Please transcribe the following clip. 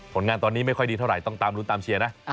ผลงานตอนนี้ไม่ค่อยดีเท่าไหร่ต้องตามรุ้นตามเชียร์นะ